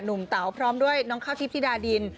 หนุ่มเตาพร้อมด้วยน้องข้าวทริพย์ตีดาดิน